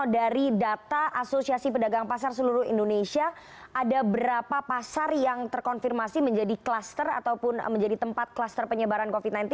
dari data asosiasi pedagang pasar seluruh indonesia ada berapa pasar yang terkonfirmasi menjadi kluster ataupun menjadi tempat kluster penyebaran covid sembilan belas